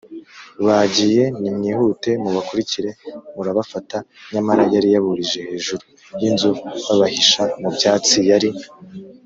bagiye Nimwihute mubakurikire murabafata Nyamara yari yaburije hejuru y inzu b abahisha mu byatsi yari